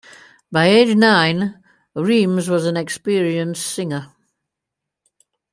By age nine, Rimes was an experienced singer.